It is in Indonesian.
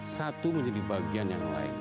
satu menjadi bagian yang lain